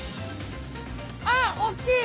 あっおっきい！